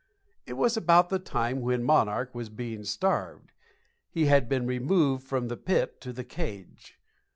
It was about the time when "Monarch" was being starved. He had been removed from the pit to the cage.